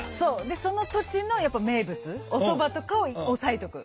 でその土地のやっぱ名物おそばとかを押さえとく。